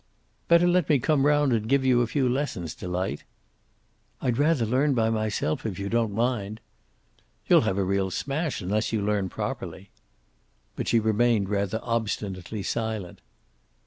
"Better let me come round and give you a few lessons, Delight." "I'd rather learn by myself, if you don't mind." "You'll have a real smash unless you learn properly." But she remained rather obstinately silent.